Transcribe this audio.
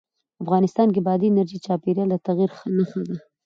افغانستان کې بادي انرژي د چاپېریال د تغیر نښه ده.